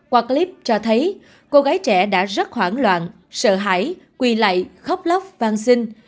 quạt clip cho thấy cô gái trẻ đã rất hoảng loạn sợ hãi quỳ lạy khóc lóc vang sinh